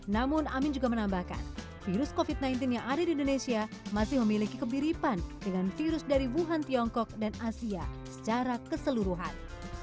namun amin juga menambahkan virus covid sembilan belas yang ada di indonesia masih memiliki kebiripan dengan virus dari wuhan tiongkok dan asia secara keseluruhan